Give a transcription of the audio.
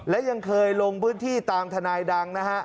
และยังเคยลงพื้นที่ตามทนายดังนะฮะ